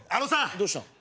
どうした？